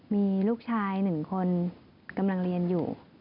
มีลูกชาย๑คนกำลังเรียนอยู่